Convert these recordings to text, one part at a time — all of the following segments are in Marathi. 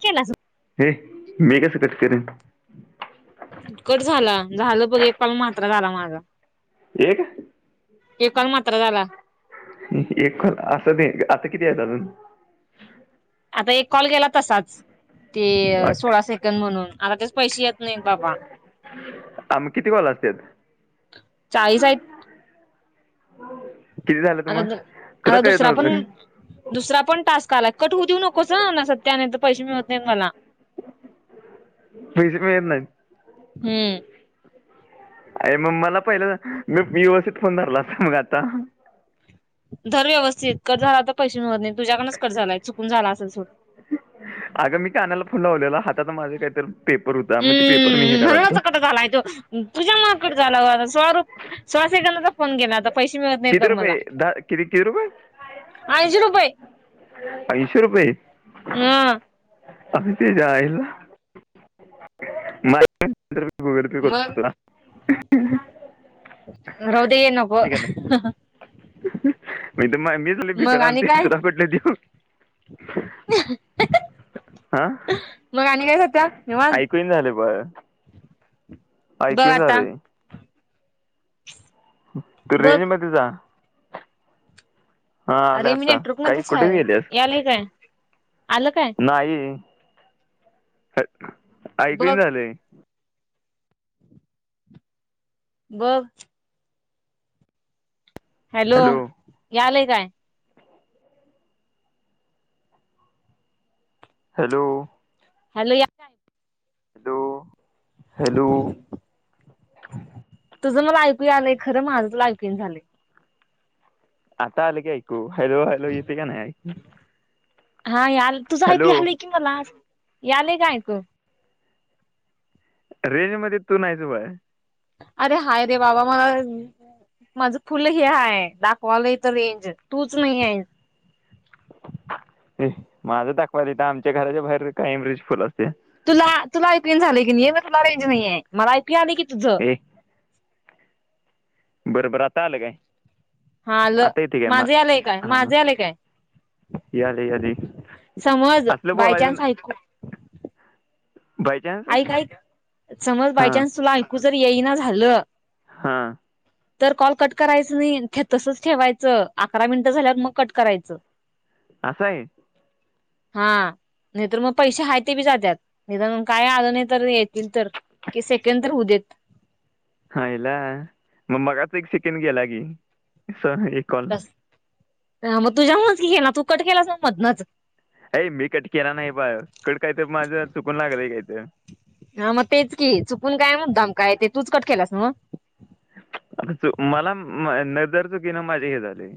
केलास ए मी कसं कट करेन उटकट झाला झालं बघ एक पाल मात्रा झाला माझा एक एक कॉल मात्र झाला का एकण असं ते आता किती आहे अजून आता एक कॉल गेला तसाच ते सोळा अ- सेकंड म्हणून आता ते पैसे येत नाहीत बाबा आ मग किती वाल असत चाळीस आहेत तुला आता काय येत नव्हतं काय? दुसरा पण टास्क कटू देऊ नकोस ना ना सत्याने तर पैसे मिळवते मला पैसे पण येत नाहीत हम्म अ मग मला पहिलं मी युवसीत फोन धरला असता मग आता धर्म व्यवस्थित कट झाला तर पैसे पण मिळत नाहीत तुझ्याकडूनच कट झालाय चुकून कट झाला असेल जाऊ दे सोड अगं मी कानाला फोन लावलेला हातात माझे काहीतरी पेपर होता मग ते पेपर मी हे तुझ्यामुळे करायचो गोड झाला आहे तो म्हणूनच कट झाला तो स्वरूप सोळा सेकंदांचा फोन गेला आता. पैसे मिळत नाहीत किती बघ मला रुपये दहा, किती किती रुपये. ऐंशी रुपये ऐंशी रुपये. ह अ ते च्यायला. मला गुगल पे मग करतो तुला. राहू दे नको. ठीक आहे मी त मीच लई मग भिकारी अण आणि काय तुला कुठले देवू. आ. त्या निवांत. निवांत. बघ ऐकून आता झालंय. तू बघ रेंज मध्ये जा. हा आली अरे मी आता नेटवर्क काई मध्येच कुठे आहे गेलेस यालय काय आलं काय अन आई. बघ ऐकूयेन झालंय. बघ. हॅलो हे आलय काय? हॅलो. Hello hello hello. तूझ आलंय खरं माझं तूला ऐकुययना झालंय. आता आलं की ऐकू. हॅलो हॅलो येते का नाही ऐकू. हा याल तुझं ऐकू हॅलो यालय कि मला यालय की ऐकू. रेंज मध्ये तू नाहीच बाय. अरे हाय रे बाबा मला माझं फुल हे हाये दाखवायला ईथ रेंज तूच नाहीये. हे माझं दाखवायला ईथ आमच्या घराबाहेर कायम रेंज फुल असते. तुला तुला ऐकू येईना झाल की नही ईने तुला रेंज नही ये मला ऐकू आल की तुझ. ए बरबर आता आलं काय? हा आल आता येते काय मा माझे आलेय काय हां माझे आलेय काय? याले याले समज असलं बोलायचं बायचान्स ना आयकू बाय चान्स आईक आईक समज बायचान्स तुला ऐकू जर येईना झालं. हा. तर कॉल कट करायचं नाही तसच ठेवायचं अकरा मिनिटं झाल्यावर मग कट करायचं. असय. हा नाहीतर म पैसे हाहे ते बी जातात नीदानुन काय आल नाही तर येतील तर तीस सेकंड तर होदेत. हायला मग मगाच एक सेकंड गेला की स एक कॉल. ह मग तुझ्यामुळेच की गेला तू कट केलास म मधनच. अय मी कट केला नाही बा कट काहीतरी माझं चुकून लागल्या गेल. ह म तेच की चुकुन काय मुद्दाम काय ते तूचकट केलास म. मला नदर चुकीन माझे हे झाले.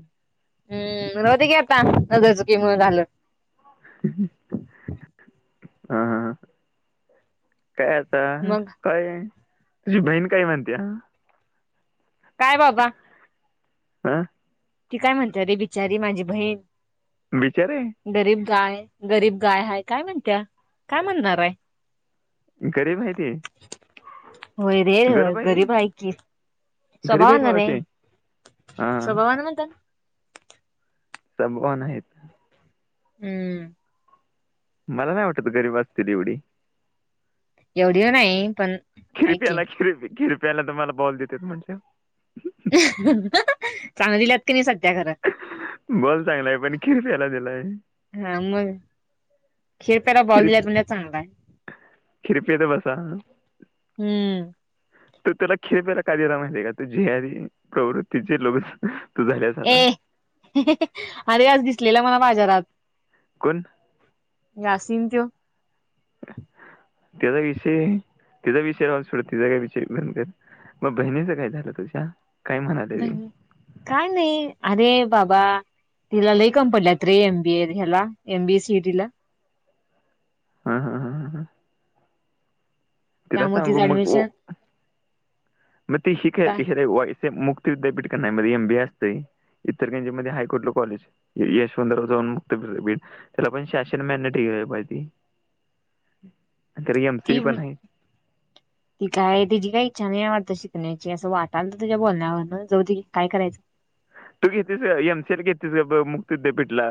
हम्म राहुदे की आता नजर चुकी मुळ झालं. हा हा ह. काय आता मग काय तुझी बहीण काय म्हणते या. काय बाबा. आं. ती काय म्हणते अरे बिचारी माझी बहीण विचार आहे गरीब गाय. गरीब गाय हाय काय म्हणत्या काय म्हणारय. गरीब आहे ती होय रे होय आहे ती गरीब हाय की. गरीब आहेत स्वभावान रे मावशे हा स्वभावान म्हणत. सभवना आहेत. हम्म. मला नाही वाटत गरीब असतील एवढी. एवढी नाही पण. आहे की खिरप्याला खिरपी खिरप्याला तुम्हाला बॉल देतेेत म्हटल्यावर. चांगलंत [unintelligible] क नाही सध्या खरं बोल चांगलाय पण किरप्याला दिलाय. खिरप्याला बॉल खिरप दिला म्हणजे चांगलाय. खिरपेत बसा. हम्म तो त्याला खेळप्यायला कायदला माहिती आहे का तू जे [unintelligible] प्रवृत्तीचे लोक झाल्यास ए आता हं हं अरे आज दिसलेला मला बाजारात. कोण. यासिन तो. त्याचा विषय तचा विषय रावा सोड तिचा काय विषयंत [unintelligible] मग बहिणीचं काय झालं तुझ्या. काय म्हणाले ती भनी काय नाही. अरे बाबा तिला लई कम पडल्यात रे एमबीए ह्याला एमबीएसीटीला. हम् हम हम ह. तिला त्यामुळे सांगू तिचं मग ओ. ऍडमिशन म त काय शे मुक्तीट नाही म्या असत [unintelligible] इतर त्यां म हायकोर्ट ल कॉलेज यशवंतराव जाऊन मुक्त बीड त्याला पण शासशन मन ठे पाहिती [unintelligible] त [inaudible] ती ती काय तिची काय. छान आवडतं शिकण्याची असं वाटाल तर त्याच्या बोलण्यावर जव की, काय करायचं. तू घेततीस एमसल घेततीस ग मुक्त विद्यापीठला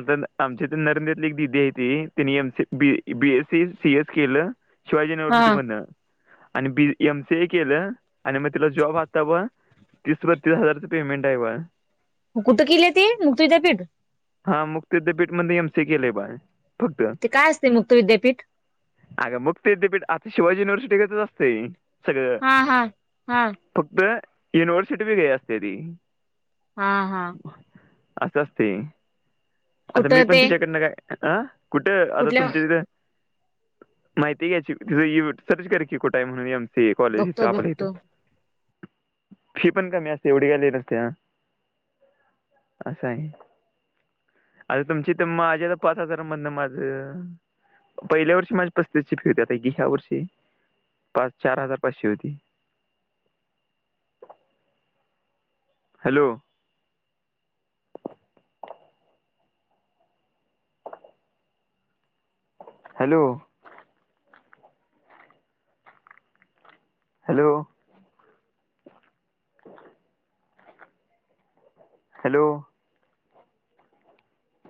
आता आमच्या तर नरेंद्रले एक दि त्यांनी [unintelligible] बीएसी सी एस केलं शिवाजी युनिव्हर्सिटी हा मध आणि बी एम सी ए केलं आणि मग तिला जॉब आत्ता ब तीस बत्तीस हजारच पेमेंट आहे बा. कुठं केले ते मुक्त विद्या पीठ. हा मुक्त युद्धपीठ म एम स केेले बा. फक्त ते काय असते मुक्त विद्यापीठ अग मुक्त विद्यापीठ आता शिवाजी युनिव्हर्सिटीच अस त सगळं हा हा हा फक्त युनिव्हर्सिटी वेगळी असत्या ती. हा हा. असं असते आता मी कुठं पण ते तिच्याकडनं काय अं कुठे आता कुठल्या तुमच्या तिथे. माहिती घ्यायची तिथं य सर्च करा की कुठाय म्हणूनम यम कॉलेज इथ बघतो आपल्या इथं बघतो. फी पण कमी असते एवढी काय लय नसत्या. असं आहे. आर तुमची ते माझ्याता पाच हजार मदन माझं. पहिल्या वर्षी माझ्या पस्तीस ची फि होते आत्ता की ह्या वर्षी. पाच चार हजार पाचश होईल. ह [inaudible] हॅलो. हॅलो. हॅलो. ह [inaudible] हॅलो.